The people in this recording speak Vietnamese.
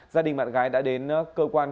gia đình bạn gái đã đến cơ quan công an